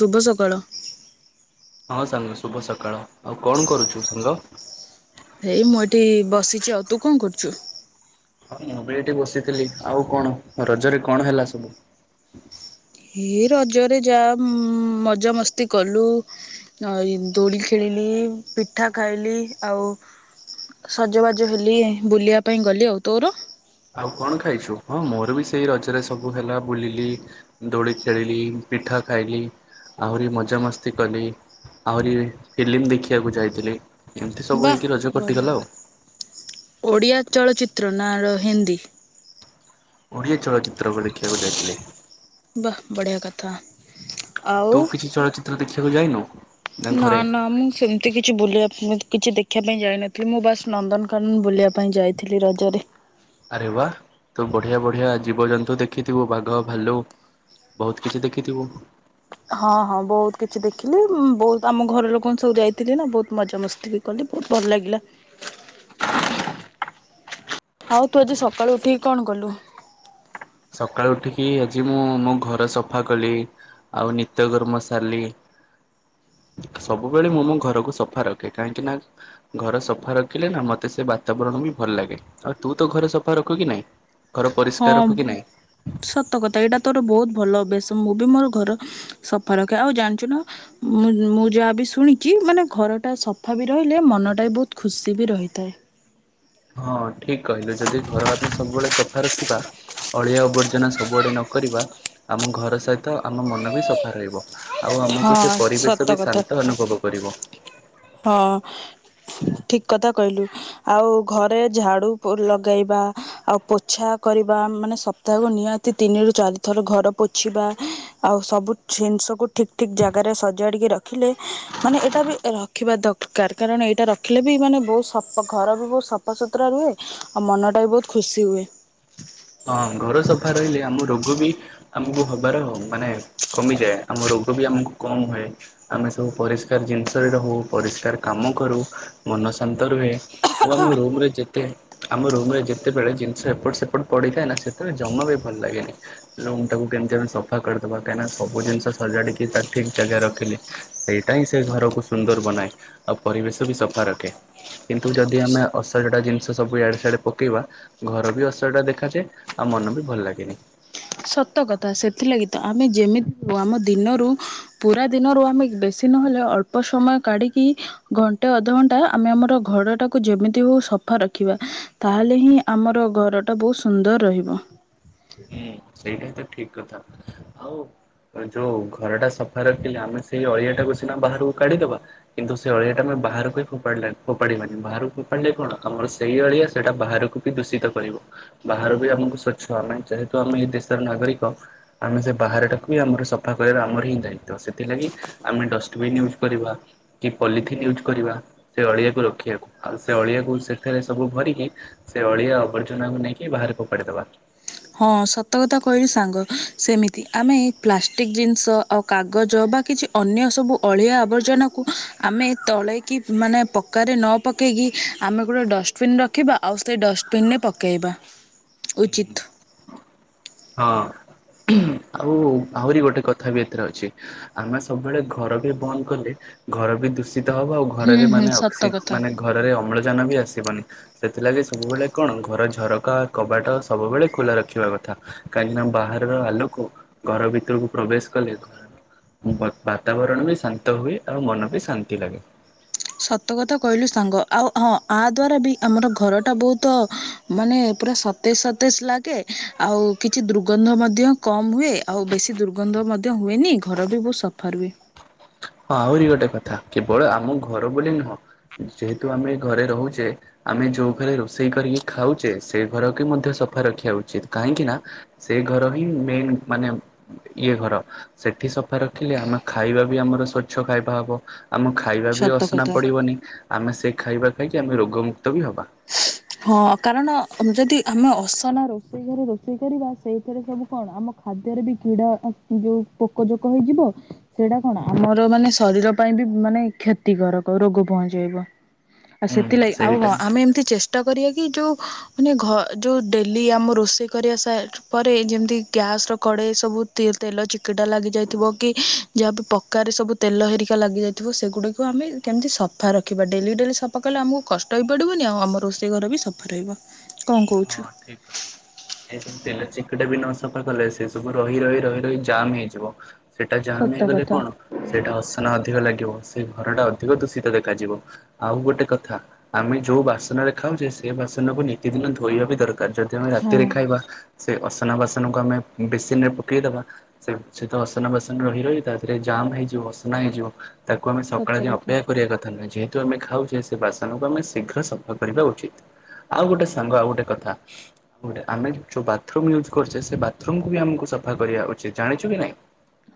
ଶୁଭ ସକାଳ ହଁ ସାଙ୍ଗ ଶୁଭ ସକାଳ ଆଉ କଣ କରୁଛୁ ସାଙ୍ଗ ହେଇ ମୁଁ ଏଠି ବସିଛି ଆଉ ତୁ କଣ କରୁଛୁ ହଁ ମୁଁ ବି ଏଇଠି ବସିଥିଲି ଆଉ କଣ ରଜରେ କଣ ହେଲା ସବୁ ଏ ରଜରେ ଯାହା ମଜା ମସ୍ତି କଲୁ ଆ ଦୋଳି ଖେଳିଲି ପିଠା ଖାଇଲି ଆଉ ସଜବାଜ ହେଲି ବୁଲିବା ପାଇଁ ଗଲି ଆଉ ତୋର ଆଉ କଣ ଖାଇଛୁ ହଁ ମୋର ବି ସେଇ ରଜରେ ସବୁ ହେଲା ବୁଲିଲି ଦୋଳି ଖେଳିଲି ପିଠା ଖାଇଲି ଆହୁରି ମଜାମସ୍ତି କଲି ଆହୁରି ଫିଲ୍ମ ଦେଖିବାକୁ ଯାଇଥିଲି ଏମିତି ସବୁ ହେଇକି ରଜ କଟିଗଲା ଆଉ ଓଡିଆ ଚଳଚିତ୍ର ନା ର ହିନ୍ଦୀ ଓଡ଼ିଆ ଚଳଚ୍ଚିତ୍ର କୁ ଦେଖିବାକୁ ଯାଇଥିଲି ବା ବଢିଆ କଥା ଆଉ ତୁ କିଛି ଚଳଚିତ୍ର ଦେଖିବାକୁ ଯାଇନୁ ନା ନା ମୁଁ ସେମିତି କିଛି ବୁଲିବା ମୁଁ ତ କିଛି ଦେଖିବା ପାଇଁ ଯାଇନଥିଲି ମୁଁ ବାସ୍ ନନ୍ଦନକାନନ ବୁଲିବା ପାଇଁ ଯାଇଥିଲି ରଜରେ ଆରେ ୱା ତୁ ବଢିଆ ବଢିଆ ଜୀବଜନ୍ତୁ ଦେଖିଥିବୁ ବାଘ ଭାଲୁ ବହୁତ କିଛି ଦେଖିଥିବୁ ହଁ ହଁ ବହୁତ କିଛି ଦେଖିଲି ବହୁତ ଆମ ଘର ଲୋକଙ୍କୁ ସବୁ ଯାଇଥିଲି ନା ବହୁତ ମଜା ମସ୍ଥିଲି କହନ୍ତି ବହୁତ ଭଲ ଲାଗିଲା ଆଉ ତୁ ଆଜି ସକାଳୁ ଉଠିକି କଣ କଲୁ? ସକାଳୁ ଉଠିକି ଆଜି ମୁଁ ମୋ ଘର ସଫା କଲି ଆଉ ନିତ୍ୟ କର୍ମ ସାରିଲି ସବୁବେଳେ ମୁଁ ମୋ ଘରକୁ ସଫା ରଖେ କାହିଁକି ନା ଘର ସଫା ରଖିଲେ ନା ମତେ ସେ ବାତାବରଣ ବି ଭଲ ଲାଗେ। ଆଉ ତୁ ତ ଘରେ ସଫା ରଖୁ କି ନାଇଁ ଘର ହଁ ପରିଷ୍କାର ରଖୁ କି ନାଇଁ? ସତ କଥା ଏଇଟା ତୋର ବହୁତ ଭଲ ଅଭ୍ୟାସ ମୁଁ ବି ମୋର ଘର ସଫା ରକ ଆଉ ଜାଣିଛୁ ନା ମୁଁ ମୁଁ ଯାହାବ ଶୁଣିଛି ମାନେ ଘରଟା ସଫା ବି ରହିଲେ ମନଟା ବି ବହୁତ ଖୁସି ବି ରହିଥାଏ। ହଁ ଠିକ କହିଲୁ ଯଦି ଘର ଆମେ ସବୁବେଳେ ସଫା ରଖିବା ଅଳିଆ ଆବର୍ଜନା ସବୁଆଡେ ନକର ଆମ ଘର ସହିତ ଆମ ମନ ବି ସଫା ରହିବ ଆଉ ଆମକୁ ସେ ହଁ ସତ ପରିବେଶ ବି କଥା ଶାନ୍ତ ଅନୁଭବ କରିବ। ହଁ ଠିକ କଥା କହିଲୁ ଆଉ ଘରେ ଝାଡୁ ଲଗେଇବା ଆଉ ପୋଛା କରିବା ମାନେ ସପ୍ତାହକୁ ନିହାତି ତିନି ରରୁ ଚାରିଥର ଘର ପୋଛିବା ଆଉ ସବୁ ଜିନିଷ ଗ ଠିକ ଠିକ ଜାଗାରେ ସଜାଡ଼ିକି ରଖିଲେ ମାନେ ଏଇଟା ବି ରଖିବା ଦରକାର। କାରଣ ଏଇଟା ରଖିଲେ ବି ମାନେ ବହୁତ ସଫା ଘର ବି ବହୁତ ସଫା ସୁୁତୁରା ରୁହେ ଆଉ ମନଟା ବି ବହୁତୁ ଖୁସି ହୁଏ। ହଁ ଘର ସଫା ରହିଲେ ଆମ ରୋ ରୋଗ ବି ଆମକୁ ହବାର ମାନେ କମିଯାଏ ଆମ ରୋଗ ବି ଆମକୁ କମ ହୁଏ। ଆମେ ସବୁ ପରିଷ୍କାର ଜିନିଷରେ ରହୁ ପରିଷ୍କାର କାମ କରୁ ମନ ଶାନ୍ତ ରୁହେ। ଆଉ ଆମ ରୁମରେ ଯେତେ ଆମ ରୁମରେ ଯେତେବେଳେ ଜିନିଷ ଏପଟ ସେପଟ ପଡିଥାଏ ନା ସେତବେଳେ ଜମା ବି ଭଲ ଲାଗେନି। ରୁମଟାକୁ କେମିତି ଆମେ ସଫା କରିଦବା କାହିଁକିନା ସବୁ ଜିନିଷ ସଜାଡିକି ତା ଠିକ ଜାଗା ରଖିଲି। ସେଇଟା ହିଁ ସେ ଘରକୁ ସୁନ୍ଦର ବନାଏ ଆଉ ପରିବେଶ ବି ସଫା ରଖେ। କିନ୍ତୁ ଯଦି ଆମେ ଅସଜଡ଼ା ଜିନିଷ ସବୁ ଏଆଡେ ସିଆଡେ ପକେଇବା ଘର ବି ଅସଜଡ଼ା ଦେ ଦେଖାଯାଏ ଆଉ ମନ ବି ଭଲ ଲାଗେନି। ସତ କଥା ସେଥିଲାଗି ତ ଆମେ ଯେମିତି ଆମ ଦିନରୁ ପୁରା ଦିନରୁ ଆମେ ବେଶୀ ନହେଲେ ଅଳ୍ପ ସମୟ କାଢିକି ଘଣ୍ଟେ ଅଧଘଣ୍ଟା ଆମେ ଆମର ଘରଟାକୁ ଯେମିତି ହଉ ସଫା ରଖିବା। ତାହେଲେ ହିଁ ଆମର ଘର ଟା ବହୁତ ସୁନ୍ଦର ରହିବ। ହୁଁ ସେଇଟା ହିଁ ଠିକ କଥା ଆଉ ଯୋଉ ଘରଟା ସଫା ରଖିଲେ ଆମେ ସେଇ ଅଳିଆଟାକୁ ସିନା ବାହାରକୁ କାଢିଦବା। କିନ୍ତୁ ସେ ଅଳିଆଟା ଆମେ ବାହାରକୁ ହି ଫୋ ଫୋପାଡିବାନି ବାହାରକୁ ଫୋପାଡିଲେ କଣ ଆମର ସେଇ ଅଳିଆ ସେଇଟା ବାହାରକୁ ଦୂଷିତ କରିବ ବାହାର ବି ଆମକୁ ସ୍ୱଚ୍ଛ ଆମେ ଯେହେତୁ ଆମେ ଏଇ ଦେଶର ନାଗରିକ ଆମେ ସେ ବାହାରଟାକୁ ବି ଆମର ସଫା କରିବା ଆମର ହିଁ ଦାୟିତ୍ୱ ସେଥିଲାଗି ଆମେ ଡଷ୍ଟବିନ୍ ୟୁଜ୍ କରିବା। କି ପଲିଥିନ୍ ୟୁଜ୍ କରିବା ସେ ଅଳିଆକୁ ରଖିବାକୁ ଆଉ ସେ ଅଳିଆକୁ ସେଥିରେ ସବୁ ଭରିକି ସେ ଅଳିଆ ଆବର୍ଜନାଙ୍କୁ ନେଇକି ବାହାରେ ଫୋପାଡ଼ିଦବା। ହଁ ସତକଥା କହିଲୁ ସାଙ୍ଗ ସେମିତି ଆମେ ପ୍ଲାଷ୍ଟିକ୍ ଜିନିଷ ଆଉ କାଗଜ ବା କିଛି ଅନ୍ୟ ସବୁ ଅଳିଆ ଆବର୍ଜନାକୁ ଆମେ ତଳେଇକି ମାନେ ପକାରେ ନ ପକେଇକି ଆମେ ଗୋଟେ ଡଷ୍ଟବିିନ ରଖିବା ଆଉ ସେ ଡଷ୍ଟବିନରେ ପକେଇବା। [unintelligible] ଉଚିତ୍। ହଁ ଆଉ ଆହୁରି ଗୋଟେ କଥା ବି ଏଥିରେ ଅଛି। ଆମେ ସବୁବେଳେ ଘର ବି ବନ୍ଦ କଲେ ଘର ବି ଦୂଷିତ ହବ ଆଉ ହୁଁ ଘରରେ ହୁଁ ମାନେ ଅକ୍ସି ସତ କଥା। ମାନେ ଘରରେ ଅମ୍ଳଜାନ ବି ଆସିବନି। ସେଥିଲାଗି ସବୁବେଳେ କଣ ଘର ଝରକା କବାଟ ସବୁବେଳେ ଖୋଲା ରଖିବା କଥା। କାହିଁକିନା ବାହାରର ଆଲୋକ ଘର ଭିତରକୁ ପ୍ରବେଶ କଲେ ଘର ବ ବାତାବରଣ ବି ଶାନ୍ତ ହୁଏ ଆଉ ମନ ବି ଶାନ୍ତି ଲାଗେ। ସତ କଥା କହିଲୁ ସାଙ୍ଗ ଆଉ ହଁ ଆ ଦ୍ୱାରା ବି ଆମର ଘରଟା ବହୁତ ମାନେ ପୁରା ସତେଜ ସତେଜ ଲାଗେ ଆଉ କିଛି ଦ୍ରୁଗନ୍ଧ ମଧ୍ୟ କମ୍ ହୁଏ ଆଉ ବେଶୀ ଦୁର୍ଗନ୍ଧ ମଧ୍ୟ ହୁଏନି ଘର ବି ବହୁତ ସଫା ରୁହେ। ହଁ ଆହୁରି ଗୋଟେ କଥା କେବଳ ଆମ ଘର ବୋଲି ନୁହଁ ଯେହେତୁ ଆମେ ଘରେ ରହୁଛେ ଆମେ ଯୋଉ ଘରେ ରୋଷେଇ କରିକି ଖାଉଛେ ସେ ଘରକୁ ମଧ୍ୟ ସଫା ରଖିବା ଉଚିତ କାହିଁକିନା ସେଇ ଘର ହିଁ ମେନ୍ ମାନେ ଇଏ ଘର ସେଠି ସଫା ରଖିଲେ ଆମେ ଖାଇବାବି ଆମର ସ୍ୱଚ୍ଛ ଖାଇବା ହବ ଆମ ଖାଇବା ବି ସତ ଅସନା କଥା। ପଡିବନି ଆମେ ସେ ଖାଇବା ଖାଇକି ଆମେ ରୋଗମୁକ୍ତ ବି ହବା। ହଁ କାରଣ ଯଦି ଆମେ ଅସନା ରୋଷେଇ ଘରେ ରୋଷେଇ କରିବା ସେଇଥିରେ ସବୁ କଣ ଆମ ଖାଦ୍ୟରେ ବି କିଡା ଓ ଯୋଉ ପୋକ ଜୋକ ହୋଇଯିବ ସେଟା କଣ ଆମର ମାନେ ଶରୀର ପାଇଁ ବି ମାନେ କ୍ଷତିକାରକ ରୋଗ ପହଞ୍ଚେଇବ ଆଉ ହୁଁ ସେଥିଲାଗି ଆଉ ସେଇଟା ହଁ ଆମେ ଏମତି ଚେଷ୍ଟା କରିବା କି ଯୋଉ ମାନେ ଘ ଯୋଉ ଡେଲି ଆମ ରୋଷେଇ କରିବା ସାଟ ପରେ ଯେମତି ଗ୍ୟାସର କଡେଇ ସବୁ ତେ ତେଲ ଚିକିଟା ଲାଗିଯାଇଥିବ କି ଯାହାବି ପକାରେ ସବୁ ତେଲ ହେରିକା ଲାଗିଯାଇଥିବ ସେଗୁଡାକୁ ଆମେ କେମତି ସଫା ରଖିବା ଡେଲି ଡେଲି ସଫ ପକେଇଲେ ଆମକୁ କଷ୍ଟ ବି ପଡିବନି ଆଉ ଆମ ରୋଷେଇ ଘର ବି ସଫା ରହିବ। କଣ ହଁ କହୁଛୁ? ଠିକ୍ କଥା। ଏଇ ସବୁ ତେଲ ଚିକିଟା ବି ନ ସଫା କଲେ ସେ ସବୁ ରହି ରହି ରହି ରହି ଜାମ୍ ହେଇଯିବ। ସେଇଟା ଜାମ୍ ସତ ହେଇଗଲେ କଥା କଣ ସେଟା ଅସନା ଅଧିକ ଲାଗିବ ସେ ଘରଟା ଅଧିକ ଦୂଷିତ ଦେଖାଯିବ। ଆଉ ଗୋଟେ କଥା ଆମେ ଯୋଉ ବାସନରେ ଖାଉଛେ ସେ ବାସନକୁ ନିତିଦିନ ଧୋ ଧୋଇବା ବି ଦରକାର ଯଦି ଆମେ ହଁ ରାତିରେ ଖାଇବା ସେ ଅସନା ବାସନକୁ ଆମେ ବେସିନ ରେ ପକେଇଦବା ସେ ସେ ତ ଅସନା ବାସନ ରହି ରହି ତାଧିଏରେ ଜାମ୍ ହେଇଯିବ ଅସନା ହେଇଯିବ ତାକୁ ଆମେ ସତ ସକାଳେ ଯାଏ କଥା। ଅପେକ୍ଷା କରିବା କଥା ନୁହେଁ ଯେ ଯେହେତୁ ଆମେ ଖାଉଛେ ସେ ବାସନକୁ ଆମେ ଶୀଘ୍ର ସଫା କରିବା ଉଚିତ ଆଉ ଗୋଟେ ସାଙ୍ଗ ଆଉ ଗୋଟେ କଥା ଗୋଟେ ଆମେ ଯୋଉ ବାଥରୁମ ୟୁଜ୍ କରୁଛେ ସେ ବାଥରୁମକୁ ବି ଆମକୁ ସଫା କରିବା ଉଚିତ୍ ଜାଣିଛୁ କି ନାଇଁ?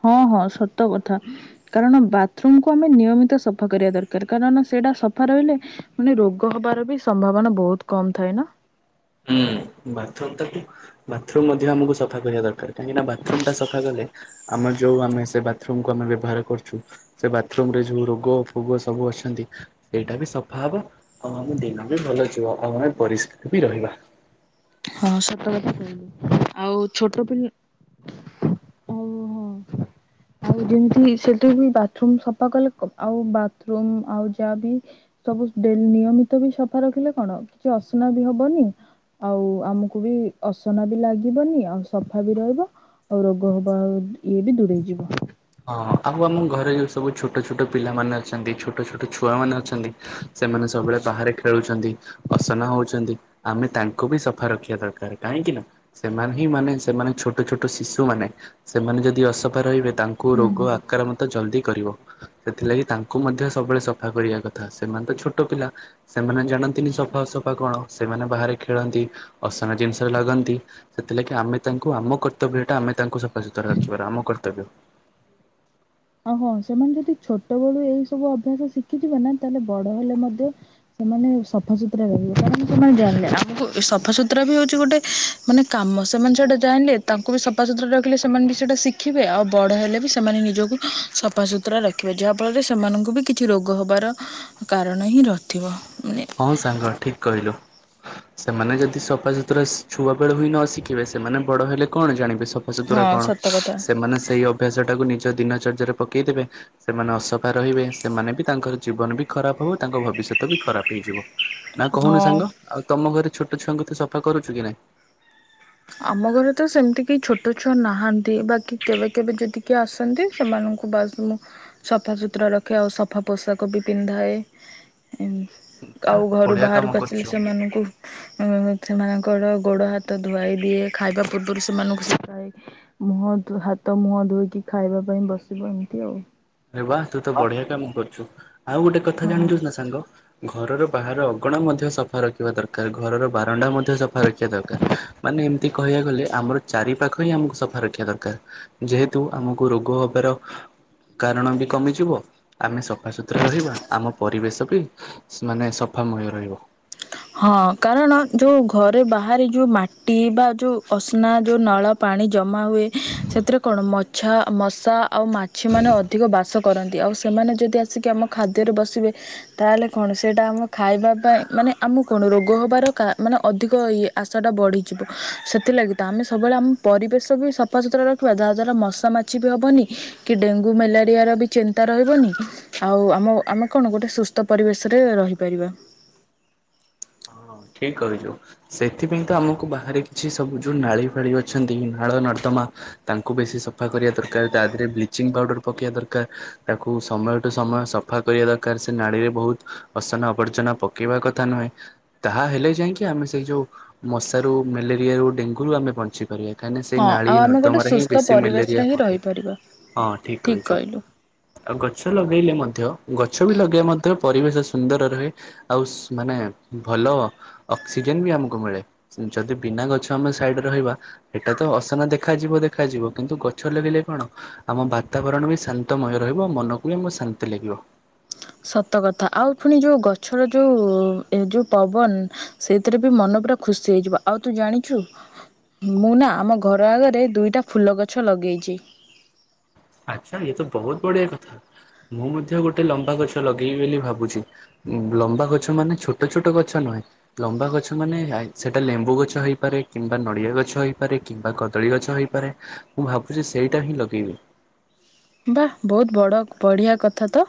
ହଁ ହଁ ସତ କଥା। କାରଣ ବାଥରୁମ୍ କୁ ଆମେ ନିୟମିତ ସଫା କରିବା ଦରକାର କାରଣ ସେଟା ସଫା ରହିଲେ ମାନେ ରୋଗ ହବାର ବି ସମ୍ଭାବନା ବହୁତ କମ ଥାଏ ନା ହୁଁ ବାଥରମ୍ ତାକୁ ବାଥରୁମ ମଧ୍ୟ ଆମକୁ ସଫା କରିବା ଦରକାର କାହିଁକିନା ବାଥରୁମ ଟା ସଫା କଲେ ଆମର ଯୋଉ ଆମେ ସେ ବାଥରୁମକୁ ଆମେ ବ୍ୟବହାର କରଛୁ ସେ ବାଥରୁମ ରେ ଯୋଉ ରୋଗ ଫୋଗ ସବୁ ଅଛନ୍ତି ସେଇଟା ବି ସଫା ହବ ଆଉ ଆମ ଦିନ ବି ଭଲ ଯିବ ଆଉ ଆମେ ପରିଷ୍କାର ବି ରହିବା। ହଁ ସତ କଥା କହିଲୁ ଆଉ ଛୋଟ ପିଲା ଆଉ ହଁ। ଆଉ ଯେମିତି ସେଠି ବି ବାଥରୁମ ସଫା କଲେ ଆଉ ବାଥରୁମ୍ ଆଉ ଯାହାବ ସବୁ ଡେଲି ନିୟମିତ ବି ସଫା ରଖିଲେ କଣ କିଛି ଅସନା ବି ହବନି ଆଉ ଆମକୁ ବି ଅସନା ବି ଲାଗିବନି ଆଉ ସଫା ବି ରହିବ। ଆଉ ରୋଗ ହବା ଆଉ ଇଏ ବି ଦୂରେଇ ଯିବ। ହଁ ଆଉ ଆମ ଘରେ ଯୋଉ ସବୁ ଛୋଟ ଛୋଟ ପିଲାମାନେ ଅଛନ୍ତି। ଛୋଟ ଛୋଟ ଛୁଆମାନେ ଅଛନ୍ତି। ସେମାନେ ସବୁବେଳେ ବାହାରେ ଖେଳୁଛନ୍ତି। ଅସନା ହଉଛନ୍ତି ଆମେ ତାଙ୍କୁ ବି ସଫା ରଖିବା ଦରକାର କାହିଁକି ନା? ସେମାନେ ହିଁ ମାନେ ସେମାନେ ଛୋଟ ଛୋଟ ଶିଶୁ ମାନେ ସେମାନେ ଯଦି ଅସଫା ରହିବେ ତାଙ୍କ ହୁଁ ରୋଗ ଆକାରମନ୍ତ ହୁଁ। ଜଲଦି କରିବ। ସେଥିଲାଗି ତାଙ୍କୁ ମଧ୍ୟ ସବୁବେଳେ ସଫା କରିବା କଥା। ସେମାନେ ତ ଛୋଟ ପିଲା। ସେମାନେ ଜାଣନ୍ତିନି ସଫା ଅସଫା କଣ, ସେମାନେ ବାହାରେ ଖେଳନ୍ତି, ଅସନା ଜିନିଷରେ ଲାଗନ୍ତି। ସେଥିଲାଗି ଆମେ ତାଙ୍କୁ ଆମ କର୍ତ୍ତବ୍ୟ ଟା ଆମେ ତାଙ୍କୁ ସଫାସତୁରା ରଖିବାର ଆମ କର୍ତ୍ତବ୍ୟ। ଆଉ ହଁ ସେମାନେ ଯଦି ଛୋଟ ବେଳୁ ଏଇ ସବୁ ଅଭ୍ୟାସ ଶିଖିଯିବେ ନା ତାହେଲେ ବଡ ହେଲେ ମଧ୍ୟ ସେମାନେ ସଫାସୁତୁରା ରହିବେ କାରଣ ସେମାନେ ଜାଣିଲେ ଆମକୁ ସଫାସୁତୁରା ବି ହଉଛି ଗୋଟେ ମାନେ କାମ। ସେମାନେ ସେଇଟା ଜାଣିଲେ ତାଙ୍କୁ ବି ସଫାସୁତୁରା ରଖିଲେ ସେମାନେ ବି ସେଇଟା ଶିଖିବେ ଆଉ ବଡ଼ ହେଲେ ବି ସେମାନେ ନିଜକୁ ସଫାସତୁରା ରଖିବେ। ଯାହା ଫଳରେ ସେମାନଙ୍କୁ ବି କିଛି ରୋଗ ହବାର କାରଣ ହିଁ ନଥିବ। ମାନେ ହଁ ସାଙ୍ଗ ଠିକ୍ କହିଲୁ? ସେମାନେ ଯଦି ସଫାସୁତୁରା ଛୁଆ ବେଳୁ ହିଁ ନ ଶିଖିବେ। ସେମାନେ ବଡ ହେଲେ କଣ ଜାଣିବେ? ସଫାସତୁରା ହଁ କଣ? ସତ କଥା ସେମାନେ ସେଇ ଅଭ୍ୟାସ ଟାକୁ ନିଜ ଦିନଚର୍ଯ୍ୟରେ ପକେଇ ଦେବେ, ସେମାନେ ଅସଫା ରହିବେ ସେମାନେ ବି ତାଙ୍କର ଜୀବନ ବି ଖରାପ ହେବ। ତାଙ୍କ ଭବିଷ୍ୟତ ବି ଖରାପ। ହେଇଯିବ, ନା କହୁନି ହଁ ସାଙ୍ଗ ଆଉ ତମ ଘରେ ଛୋଟ ଛୁଆଙ୍କୁ ତୁ ସଫା କରୁଛୁ କି ନାଇଁ? ଆମ ଘରେ ତ ସେମିତି କେହି ଛୋଟ ଛୁଆ ନାହାଁନ୍ତି, ବାକି କେବେ, କେବେ ଯଦି କି ଆସନ୍ତି ସେମାନଙ୍କୁ ମୁଁ ସଫାସତୁରା ରଖେ, ଆଉ ସଫା ପୋଷାକ ବି ପିନ୍ଧାଏ। ଆଚ୍ଛା ଆଉ ଘରୁ ବଢ଼ିଆ କାମ ବାହାରକୁ ଆସିଲେ କରୁଛୁ। ସେମାନଙ୍କୁ ଅ ସେମାନଙ୍କର ଗୋଡ ହାତ ଧୁଆଇ ଦିଏ, ଖାଇବା ପୂର୍ବରୁ ସେମାନଙ୍କୁ ଶିଖାଏ ମୁହଁ ହାତ ମୁହଁ ଧୋଇକି ଖାଇବା ପାଇଁ ବସିବ ଏମିତି ଆଉ। ଆରେ ବା ତୁ ତ ବଢିଆ କାମ କରୁଛୁ। ଆଉ ଗୋଟେ କଥା ହଁ। ଜାଣିଛୁ ନା ସାଙ୍ଗ? ଘରର ବାହାର ଅଗଣା ମଧ୍ୟ ସଫା ରଖିବା ଦରକାର। ଘରର ବାରଣ୍ଡା ମଧ୍ୟ ମଧ୍ୟ ସଫା ରଖିବା ଦରକାର। ମାନେ ଏମିତି କହିବାକୁ ଗଲେ ଆମର ଚାରି ପାଖ ହିଁ ଆମକୁ ସଫା ରଖିବା ଦରକାର। ଯେହେତୁ ଆମକୁ ରୋଗ ହବାର କାରଣ ବି କମିଯିବ ଆମେ ସଫାସତୁରା ରହିବା ଆମ ପରିବେଶ ବି ମାନେ ସଫାମୟ ରହିବ। ହଁ କାରଣ ଯୋଉ ଘରେ ବାହାରି ଯୋଉ ମାଟି ବା ଯୋଉ ଅସ୍ନା ଯୋଉ ନଳ ପାଣି ଜମା ହୁଏ ସେଥିରେ କଣ ମଛା ମଶା ଆଉ ମାଛି ମାନେ ଅଧିକ ବାସ କରନ୍ତି। ଆଉ ସେମାନେ ଯଦି ଆସିକି ଆମ ଖାଦ୍ୟରେ ବସିବେ ତାହେଲେ କଣ ସେଇଟା ଆମ ଖାଇବା ପାଇଁ ମାନେ ଆମକୁ କଣ ରୋଗ ହେବାର ମାନେ ଅଧିକ ଇ ଆଶାଟା ବଢ଼ିଯିବ। ସେଥିଲାଗି ତ ଆମେ ସବୁବେଳେ ଆମ ପରିବେଶ ବି ସଫାସତୁରା ରଖିବା। ଯାହାଦ୍ୱାରା ମଶା ମାଛି ବି ହେବନି। କି ଡେଙ୍ଗୁ ମ୍ୟାଲେରିଆ ର ବି ଚିନ୍ତା ରହିବନି। ଆଉ ଆମ ଆମେ କଣ ଗୋଟେ ସୁସ୍ଥ ପରିବେଶରେ ରହିପାରିବା। ହଁ ଠିକ କହିଲୁ? ସେଥିପାଇଁ ତ ଆମକୁ ବାହାରେ କିଛି ସବୁ ଯୋଉ ନାଳି ଫାଳି ଅଛନ୍ତି। ନାଳ ନର୍ଦ୍ଦମା ତାଙ୍କୁ ବେଶୀ ସଫା କରିବା ଦରକାର। ତା ଦେହରେ ବ୍ଲିଚିଂ ପାଉଡର ପକେଇବା ଦରକାର। ତାକୁ ସମୟ ଟୁ ସମୟ ସ ସଫା କରିବା ଦରକାର, ସେ ନାଳିରେ ବହୁତ ଅସନା ଆବର୍ଜନା ପକେଇବା କଥା ନୁହେଁ, ତାହା ହେଲେ ଯାଇକି ଆମେ ସେଇ ଯୋଉ ମଶାରୁ ମ୍ୟାଲେରିଆ ରୁ ଡେଙ୍ଗୁରୁ ଆମେ ବଞ୍ଚି ପାରିବା। କାହିଁକି ସେ ହଁ ନାଳି ଆଉ ଆମେ ଗୋଟେ ନର୍ଦ୍ଦମାରେ ହିଁ ସୁସ୍ଥ ବେଶୀ ପରିବେଶରେ ମ୍ୟାଲେରିଆ ହିଁ ହୁଅନ୍ତି ରହିପାରିବା ହଁ ଠିକ ଠିକ୍ କହିଛୁ। କହିଲୁ। ଆଉ ଗଛ ଲଗେଇଲେ ମଧ୍ୟ ଗଛ ବି ଲଗେଇ ମଧ୍ୟ ପରିବେଶ ସୁନ୍ଦର ରୁହେ। ଆଉ ସୁ ମାନେ ଭଲ ଅକ୍ସିଜେନ ବି ଆମକୁ ମିଳେ। ଯଦି ବିନା ଗଛ ଆମେ ସାଇଡ଼ରେ ରହିବା ଏଟା ତ ଅସନା ଦେଖାଯିବ ଦେଖାଯିବ। କିନ୍ତୁ ଗଛ ଲଗିଲେ କଣ ଆମ ବାତାବରଣ ବି ଶାନ୍ତମୟ ରହିବ ମନକୁ ବି ଆମ ଶାନ୍ତି ଲାଗିବ। ସତ କଥା ଆଉ ପୁଣି ଯଉ ଗଛର ଯୋଉ ଏ ଯୋଉ ପବନ ସେଥିରେ ବି ମନ ପରା ଖୁସି ହେଇଯିବ। ଆଉ ତୁ ଜାଣିଛୁ? ମୁଁ ନା ଆମ ଘର ଆଗରେ ଦୁଇଟା ଫୁଲ ଗଛ ଲଗେଇଛି। ଆଚ୍ଛା ଇଏ ତ ବହୁତ ବଢିଆ କଥା ମୁଁ ମଧ୍ୟ ଗୋଟେ ଲମ୍ବା ଗଛ ଲଗେଇବି ବୋଲି ଭାବୁଛି। ଲମ୍ବା ଗଛ ମାନେ ଛୋଟ ଛୋଟ ଗଛ ନୁହେଁ। ଲମ୍ବା ଗଛ ମାନେ ନାଇଁ ସେଟା ଲେମ୍ବୁ ଗଛ ହେଇପାରେ କିମ୍ବା ନଡିଆ ଗଛ ହେଇପାରେ କିମ୍ବା କଦଳୀ ଗଛ ହେଇପାରେ ମୁଁ ଭାବୁଛି ସେଇଟା ହିଁ ଲଗେଇବି। ବା ବହୁତ ବଡ଼ ବଢ଼ିଆ କଥା ତ।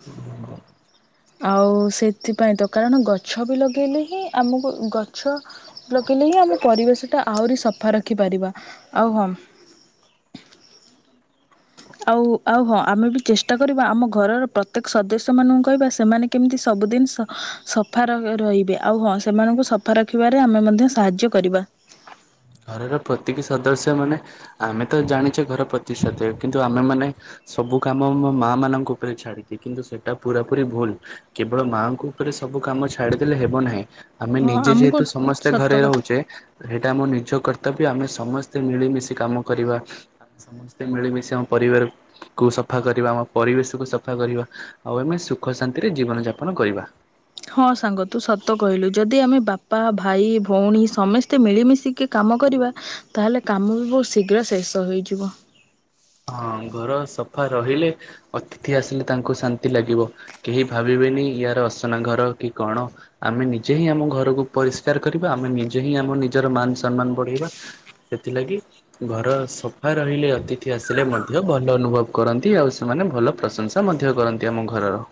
[inaudible] ଆଉ ସେଥିପାଇଁ ତ କାରଣ ଗଛ ବି ଲଗେଇଲେ ହିଁ ଆମକୁ ଗଛ ଲଗେଇଲେ ହିଁ ଆମ ପରିବେଶଟା ଆହୁରି ସଫା ରଖିପାରିବା ଆଉ ହଁ ଆଉ ଆଉ ହଁ ଆମେ ବି ଚେଷ୍ଟା କରିବା ଆମ ଘରର ପ୍ରତ୍ୟେକ ସଦସ୍ୟ ମାନଙ୍କୁ କହିବା ସେମାନେ କେମିତି ସବୁଦିନ ସଫା ରହିବେ ଆଉ ହଁ ସେମାନଙ୍କୁ ସଫା ରଖିବାରେ ଆମେ ମଧ୍ୟ ସାହାଯ୍ୟ କରିବା। ଘରର ପ୍ରତିକ ସଦସ୍ୟମାନେ ଆମେ ତ ଜାଣିଛେ ଘର ପ୍ରତି ସଦୟ କିନ୍ତୁ ଆମେମାନେ ସବୁ କାମ ମୋ ମା ମାନଙ୍କ ଉପରେ ଛାଡିଛି କିନ୍ତୁ ସେଟା ପୁରା ପୁରି ଭୁଲ। କେବଳ ମାଆଙ୍କ ଉପରେ ସବୁ କାମ ଛାଡିଦେଲେ ହେବ ନାହିଁ। ଆମେ ହଁ ନିଜେ ଆମକୁ ଯେହେତୁ ସମସ୍ତେ ସତ ଘରେ କଥା ରହୁଛେ। ସେଇଟା ଆମ ନି ଜ କର୍ତ୍ତବ୍ୟ ଆମେ ସମସ୍ତେ ମିଳିମିଶି କାମ କରିବା। ସମସ୍ତେ ମିଳିମିଶି ଆମ ପରିବାରକୁ କୁ ସଫା କରିବା। ଆମ ପରିବେଶ କୁ ସଫା କରିବା। ଆଉ ଆମେ ସୁଖ ଶାନ୍ତିରେ ଜୀବନ ଯାପନ କରିବା। ହଁ ସାଙ୍ଗ ତୁ ସତ କହିଲୁ ଯଦି ଆମେ ବାପା ଭାଇ ଭଉଣୀ ସମସ୍ତେ ମିଳିମିଶିକି କାମ କରିବା ତାହେଲେ କାମ ବି ବହୁତ ଶୀଘ୍ର ଶେଷ ହେଇଯିବ। ହଁ ଘର ସଫା ରହିଲେ ଅତିଥି ଆସିଲେ ତାଙ୍କୁ ଶାନ୍ତି ଲାଗିବ। କେହି ଭାବିବେନି ୟାର ଅସନା ଘର କି କଣ। ଆମେ ନିଜେ ହିଁ ଆମ ଘରକୁ ପରିଷ୍କାର କରିବା। ଆମେ ନିଜେ ହିଁ ଆମ ନିଜର ମାନ ସମ୍ମାନ ବଢେଇବା। ସେଥିଲାଗି ଘର ସଫା ରହିଲେ ଅତି ଅତିଥି ଆସିଲେ ମଧ୍ୟ ଭଲ ଅନୁଭବ କରନ୍ତି ଆଉ ସେମାନେ ଭଲ ପ୍ରଶଂସା ମଧ୍ୟ କରନ୍ତି ଆମ ଘରର।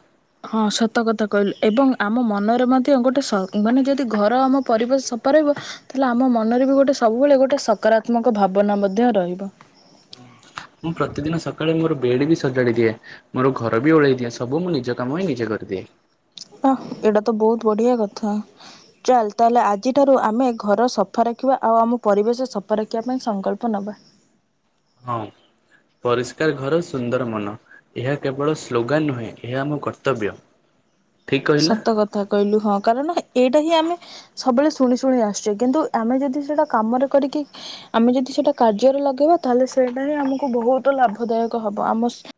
ହଁ ସତ କଥା କହିଲେ ଏବଂ ଆମ ମନରେ ମଧ୍ୟ ଗୋଟେ ସ ମାନେ ଯଦି ଘର ଆମ ପରିବେଶ ସଫାରହିବ ତାହେଲେ ଆମ ମନରେ ବି ଗୋଟେ ସବୁବେଳେ ଗୋଟେ ସକାରାତ୍ମକ ଭାବନା ମଧ୍ୟ ରହିବ। ମୁଁ ପ୍ରତିଦିନ ସକାଳେ ମୋର ବେଡ଼ ବି ସଜାଡି ଦିଏ। ମୋର ଘର ବି ଓଳେଇ ଦିଏ ସବୁ ମୁଁ ନିଜ କାମ ହିଁ ନିଜେ କରିଦିଏ। ହ ଏଇଟା ତ ବହୁତ ବଢିଆ କଥା। ଚାଲ୍ ତାହେଲେ ଆଜିଠାରୁ ଆମେ ଘର ସଫା ରଖିବା ଆଉ ଆମ ପରିବେଶ ସଫା ରଖିବା ପାଇଁ ସଂକଳ୍ପ ନେବା। ହଁ ପରିଷ୍କାର ଘର ସୁନ୍ଦର ମନ। ଏହା କେବଳ ସ୍ଲୋଗାନ ନୁହେଁ ଏହା ଆମ କର୍ତ୍ତବ୍ୟ। ଠିକ୍ କହିଲି ନା? ସତ କଥା କହିଲୁ ହଁ କାରଣ ଏଇଟା ହିଁ ଆମେ ସବୁବେଳେ ଶୁଣି ଶୁଣି ଆସୁଛେ କିନ୍ତୁ ଆମେ ଯଦି ସେଟା କାମରେ କରିକି। ଆମେ ଯଦି ସେଟା କାର୍ଯ୍ୟରେ ଲଗେଇବା ତାହେଲେ ସେଇଟା ହିଁ ଆମକୁ ବହୁତ ଲାଭଦାୟକ ହବ ଆମ